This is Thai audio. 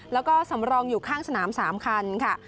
แล้วก็สำรองอยู่ข้างสนาม๓คันค่ะ